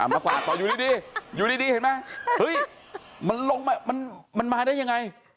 เอามากวาดต่ออยู่ดีเห็นไหมมันมาได้ยังไง